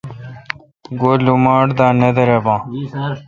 گو لماٹ دا نہ دریباں۔